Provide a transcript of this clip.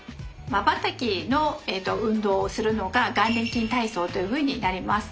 まばたきの運動をするのが眼輪筋体操というふうになります。